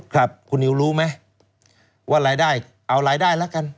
ครับคุณนิวรู้ไหมว่ารายได้เอารายได้ละกัน